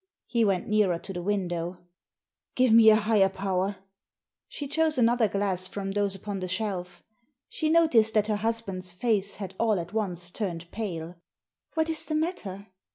He went nearer to the window. " Give me a higher power !" She chose another glass from those upon the shelf. She noticed that her husband's face had all at once turned pale. " What is the matter